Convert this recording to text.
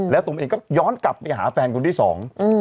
แล้วตูมเองก็ย้อนกลับไปหาแฟนคนที่สอง